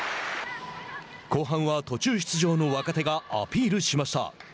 後半は途中出場の若手がアピールしました。